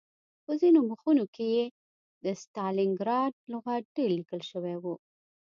په ځینو مخونو کې د ستالنګراډ لغت ډېر لیکل شوی و